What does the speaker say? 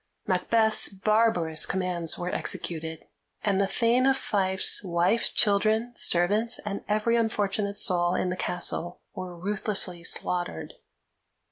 Macbeth's barbarous commands were executed, and the Thane of Fife's wife, children, servants, and every unfortunate soul in the castle, were ruthlessly slaughtered.